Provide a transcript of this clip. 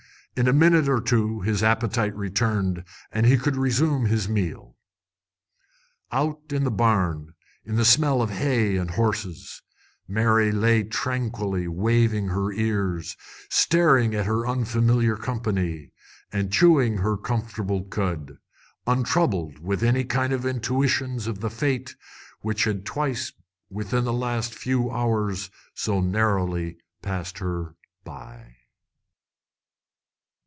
In a minute or two his appetite returned, and he could resume his meal. Out in the barn, in the smell of hay and horses, Mary lay tranquilly waving her ears, staring at her unfamiliar company, and chewing her comfortable cud, untroubled with any intuitions of the fate which had twice within the last few hours so narrowly passed her by.